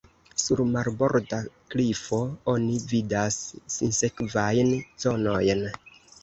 Sur marborda klifo oni vidas sinsekvajn zonojn.